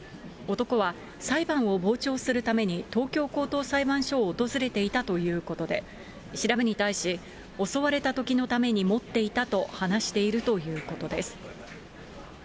男は、裁判を傍聴するために東京高等裁判所を訪れていたということで、調べに対し、襲われたときのために持っていたと話しているということです。